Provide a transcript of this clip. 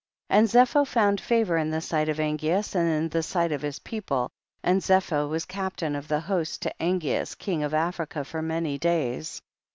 3. And Zepho found favor in the sight of Angeas and in the sight of his people, and Zepho was captain of the host to Angeas king of Africa for many days.